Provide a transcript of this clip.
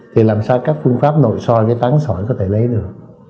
thì làm sao các phương pháp nội soi tán sỏi có thể lấy được